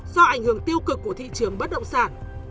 do ảnh hưởng tiêu cực của thị trường bất động sản